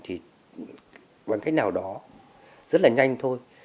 thì bằng cách nào đó rất là nhanh thôi